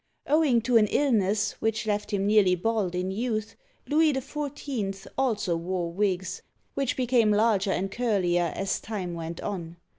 Owing to an illness which left him nearly bald in youth, Louis XIV. also wore wigs, which became larger and curlier as time went on.